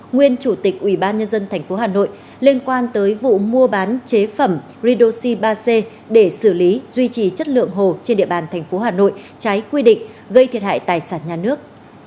nguyên chủ tịch ủy ban nhân dân tp hà nội liên quan tới vụ mua bán chế phẩm ridosy ba c để xử lý duy trì chất lượng hồ trên địa bàn tp hà nội trái quy định gây thiệt hại tài sản nhà nước